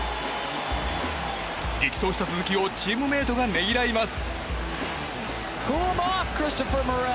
激走した鈴木をチームメートがねぎらいます。